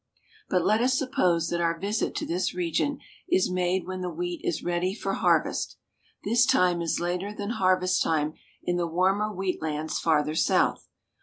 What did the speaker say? But let us suppose that our visit to this region is made when the wheat is ready for harvest. This time is later than harvest time in the warmer wheat lands farther south.